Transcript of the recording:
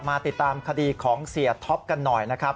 มาติดตามคดีของเสียท็อปกันหน่อยนะครับ